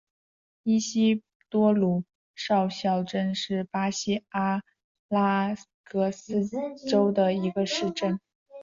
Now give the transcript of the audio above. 伊西多鲁少校镇是巴西阿拉戈斯州的一个市镇。